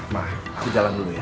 mah aku jalan dulu ya